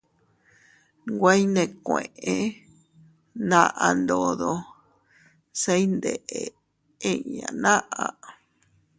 Nwe iynèkueʼe naʼa ndodo se iyndeʼe inña naʼa.